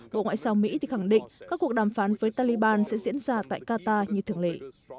bộ ngoại giao mỹ thì khẳng định các cuộc đàm phán với taliban sẽ diễn ra tại qatar như thường lệ